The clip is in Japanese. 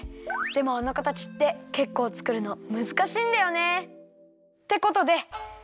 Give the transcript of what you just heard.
でもあのかたちってけっこうつくるのむずかしいんだよね。